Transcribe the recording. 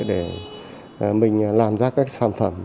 để mình làm ra các sản phẩm